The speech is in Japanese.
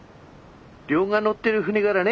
亮が乗ってる船がらね